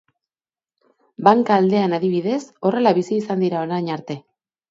Banka aldean adibidez, horrela bizi izan dira orain arte.